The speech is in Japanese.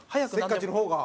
せっかちの方が？